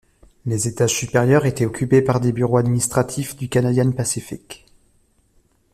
Les étages supérieurs étaient occupés par des bureaux administratifs du Canadian Pacific.